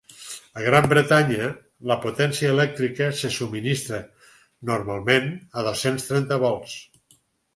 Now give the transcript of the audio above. A Gran Bretanya, la potència elèctrica se subministra normalment a dos-cents trenta volts